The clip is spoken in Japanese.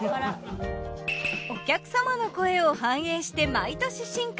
お客様の声を反映して毎年進化。